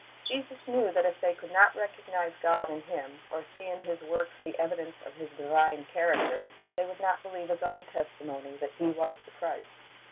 Jesus knew that if they could not recognize God in Him, or see in His works the evidence of His divine character, they would not believe His own testimony that He was the Christ.